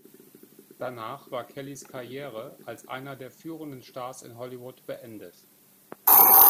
Danach war Kellys Karriere als einer der führenden Stars in Hollywood beendet.